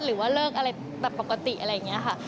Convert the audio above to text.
หรือว่าเลิกอะไรแบบปกติอะไรอย่างนี้ค่ะ